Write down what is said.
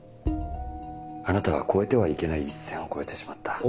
あなたは越えてはいけない一線を越えてしまった。